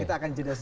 kita akan jelasin